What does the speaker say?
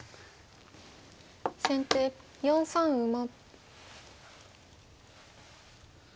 先手４三馬。